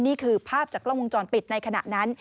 นี่คือภาพจากกล้องวงจรปิดในขณะนั้น